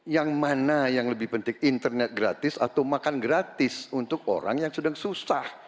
yang mana yang lebih penting internet gratis atau makan gratis untuk orang yang sudah susah